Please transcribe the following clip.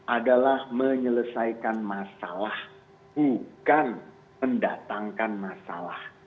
adalah menyelesaikan masalah bukan mendatangkan masalah